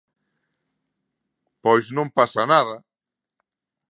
Pois non pasa nada.